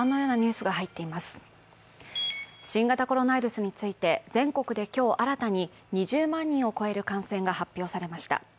新型コロナウイルスについて全国で今日新たに２０万人を超える感染が発表されました。